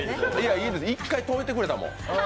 いいです、１回止めてくれたもん。